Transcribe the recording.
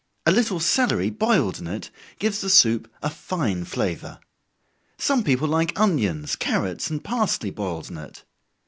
A little celery boiled in it gives the soup a fine flavor. Some people like onions, carrots, and parsely boiled in it.